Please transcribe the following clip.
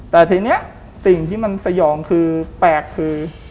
แต่ทีนี้สิ่งที่มันสยองคือแปลกคือ